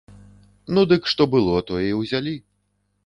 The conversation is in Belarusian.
Ну, дык што было, тое і ўзялі.